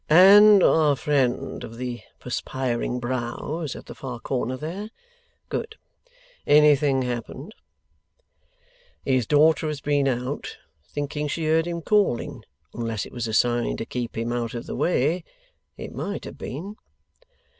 'And our friend of the perspiring brow is at the far corner there? Good. Anything happened?' 'His daughter has been out, thinking she heard him calling, unless it was a sign to him to keep out of the way. It might have been.